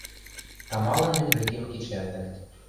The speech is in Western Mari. — Тамалын мӹнь вӹкем кечӓлтӹн...